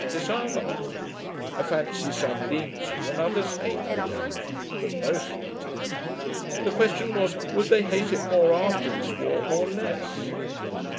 Disarmament. A fancy some lean to and others hate, no doubt. But most hate it. The question was, would they hate it more after this war, or less?